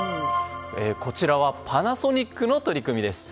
こちらはパナソニックの取り組みです。